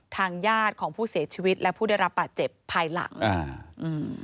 ทางญาติของผู้เสียชีวิตและผู้ได้รับบาดเจ็บภายหลังอ่าอืม